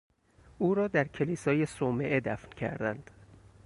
او را در کلیسای صومعه دفن کردند.